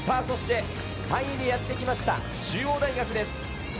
３位でやってきました、中央大学です。